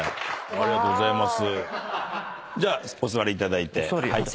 ありがとうございます。